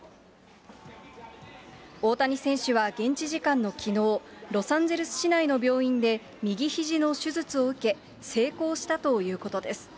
大谷選手は現地時間のきのう、ロサンゼルス市内の病院で右ひじの手術を受け、成功したということです。